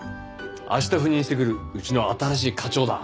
明日赴任してくるうちの新しい課長だ。